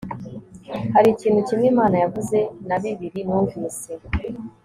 hari ikintu kimwe imana yavuze, na bibiri numvise